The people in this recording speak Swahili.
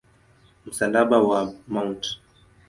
Msalaba wa Mt.